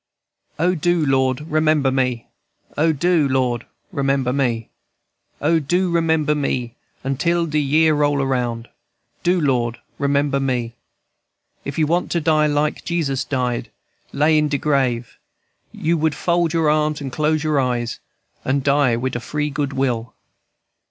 "O do, Lord, remember me! O do, Lord, remember me! O, do remember me, until de year roll round! Do, Lord, remember me! "If you want to die like Jesus died, Lay in de grave, You would fold your arms and close your eyes And die wid a free good will.